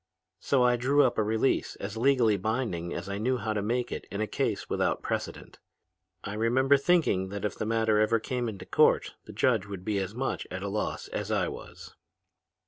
So I drew up a release as legally binding as I knew how to make it in a case without precedent. I remember thinking that if the matter ever came into court the judge would be as much at a loss as I was.